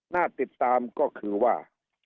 น่าติดตามก็คือว่า